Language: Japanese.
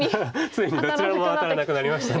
ついにどちらも当たらなくなりました。